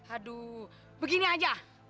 aduh begini aja